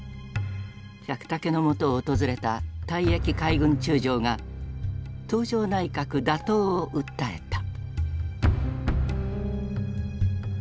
百武のもとを訪れた退役海軍中将が東條内閣打倒を訴えた。